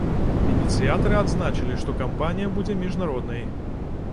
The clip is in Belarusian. Ініцыятары адзначылі, што кампанія будзе міжнароднай.